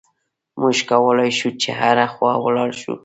موږ کولای شو چې هره خوا ولاړ شو.